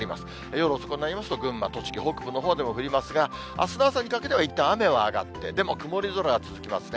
夜遅くなりますと、群馬、栃木北部のほうでも降りますが、あすの朝にかけてはいったん雨は上がって、でも曇り空が続きますね。